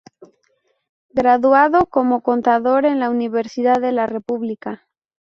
Graduado como contador en la Universidad de la República.